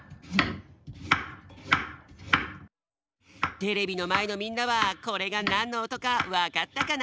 テレビのまえのみんなはこれがなんのおとかわかったかな？